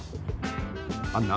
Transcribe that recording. アンナ。